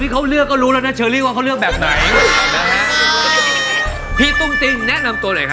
แปลกจากคนอื่นสุด